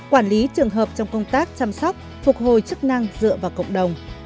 quản lý trường hợp trong công tác chăm sóc phục hồi chức năng dựa vào cộng đồng